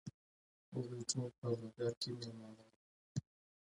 هغوی ټول په لوګر کې مېلمانه ول.